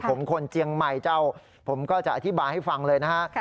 ผมคนเจียงใหม่เจ้าผมก็จะอธิบายให้ฟังเลยนะฮะ